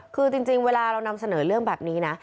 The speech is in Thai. คือจริงเวลาเรานำเสนอเรื่องแบบนี้นะ